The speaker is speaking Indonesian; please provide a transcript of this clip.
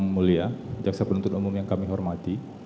mulia jaksa penuntut umum yang kami hormati